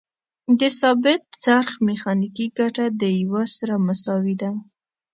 د ثابت څرخ میخانیکي ګټه د یو سره مساوي ده.